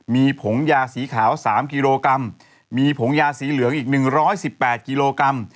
มีผงยาสีขาว๓กิโลกรัมมีผงยาสีเหลืองอีก๑๑๘กิโลกรัม